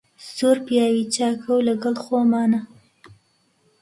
زۆر پیاوی چاکە و لەگەڵ خۆمانە.